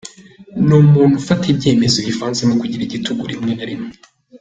Ni umuntu ufata ibyemezo bivanzemo kugira igitugu rimwe na rimwe.